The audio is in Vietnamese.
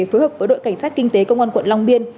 phối hợp với đội cảnh sát kinh tế công an quận long biên